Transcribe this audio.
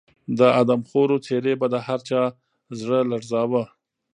د آدمخورو څېرې به د هر چا زړه لړزاوه.